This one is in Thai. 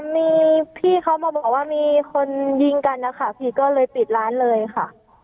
มีพี่เขามาบอกว่ามีคนยิงกันนะคะพี่ก็เลยปิดร้านเลยค่ะ